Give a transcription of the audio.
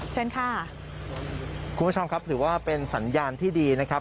เชิญค่ะคุณผู้ชมครับถือว่าเป็นสัญญาณที่ดีนะครับ